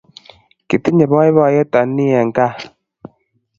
kitinye boiboiyet ani en gaa